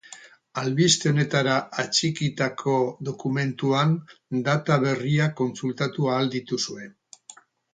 Albiste honetara atxikitako dokumentuan, data berriak kontsultatu ahal dituzue.